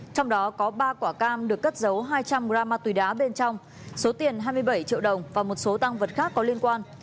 trong đó có ba quả cam được cất giấu hai trăm linh gram ma túy đá bên trong số tiền hai mươi bảy triệu đồng và một số tăng vật khác có liên quan